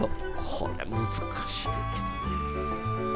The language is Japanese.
これ難しいけどね。